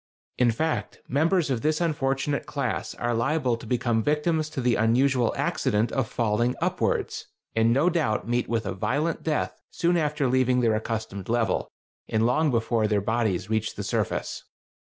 In fact, members of this unfortunate class are liable to become victims to the unusual accident of falling upwards, and no doubt meet with a violent death soon after leaving their accustomed level, and long before their bodies reach the surface....